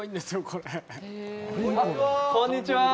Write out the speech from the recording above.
こんにちは。